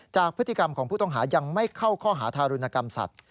จากพฤติกรรมของผู้ต้องหายังไม่เข้าข้อหาทารุณกรรมสัตว